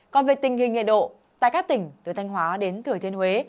còn về tình hình nhiệt độ tại các tỉnh từ thanh hóa đến thừa thiên huế